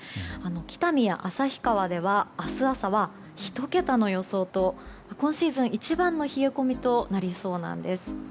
北見や旭川では、明日朝は１桁の予想と今シーズン一番の冷え込みとなりそうなんです。